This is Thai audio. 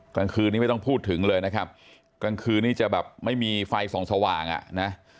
กลางคืนนี้ไม่ต้องพูดถึงเลยนะครับกลางคืนนี้จะแบบไม่มีไฟส่องสว่างอ่ะนะ